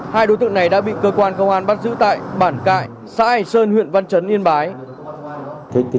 hai đối tượng này đã bị cơ quan công an bắt giữ tại bản cại xã hành sơn huyện văn chấn yên bái